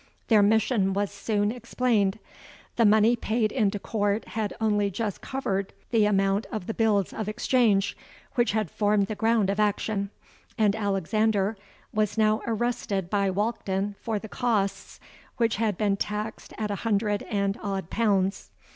Their mission was soon explained. The money paid into court had only just covered the amount of the bills of exchange which had formed the ground of action; and Alexander was now arrested by Walkden for the costs, which had been taxed at a hundred and odd pounds.